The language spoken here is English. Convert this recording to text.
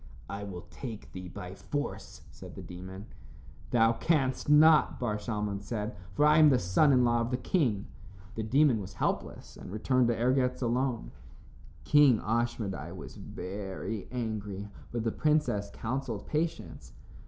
"I will take thee by force," said the demon. "Thou canst not," Bar Shalmon said, "for I am the son in law of the king." The demon was helpless and returned to Ergetz alone. King Ashmedai was very angry, but the princess counseled patience.